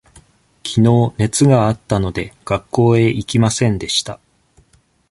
きのう熱があったので、学校へ行きませんでした。